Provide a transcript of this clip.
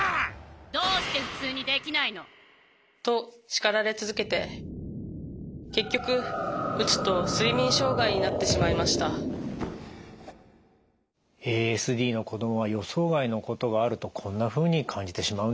どうして普通にできないの？と叱られ続けて結局うつと睡眠障害になってしまいましたＡＳＤの子どもは予想外のことがあるとこんなふうに感じてしまうんですね。